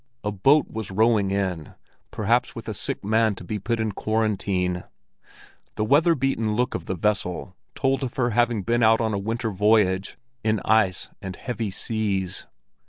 A boat was rowing in—perhaps with a sick man to be put in quarantine. The weather beaten look of the vessel told of her having been out on a winter voyage, in ice and heavy seas.